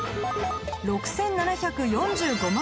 ６７４５万